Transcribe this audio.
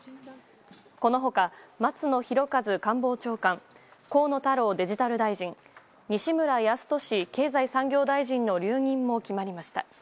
このほか、松野博一官房長官、河野太郎デジタル大臣、西村康稔経済産業大臣の留任も決まりました。